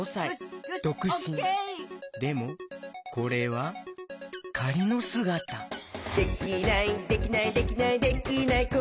でもこれはかりのすがた「できないできないできないできない子いないか」